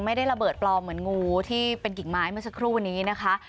ไม่ได้ระเบิดปลอมเหมือนงูที่เป็นกิ่งไม้เมื่อสักครู่นี้นะคะ